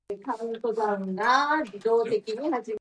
It is the first mixtape in the Mixtape Messiah series.